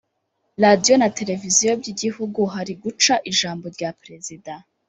radiyo na televiziyo by’igihugu hari guca ijambo rya Perezida